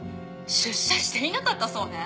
出社していなかったそうね。